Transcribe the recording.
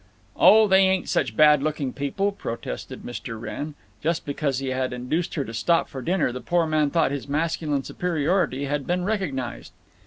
"Oh, they ain't such bad looking people," protested Mr. Wrenn…. Just because he had induced her to stop for dinner the poor man thought his masculine superiority had been recognized.